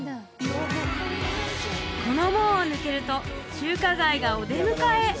この門を抜けると中華街がお出迎え